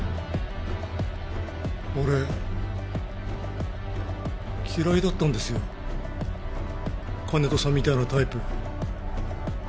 俺嫌いだったんですよ金戸さんみたいなタイプ。